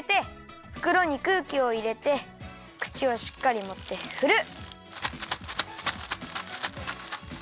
ふくろにくうきをいれてくちをしっかりもってふる！